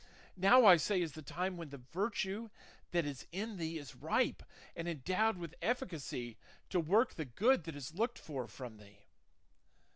Now, I say, is the time when the virtue that is in thee is ripe, and endowed with efficacy to work the good that is looked for from thee."